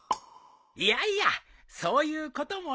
いやいやそういうこともある。